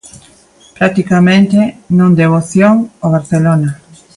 Practicamente non deu opción o Barcelona.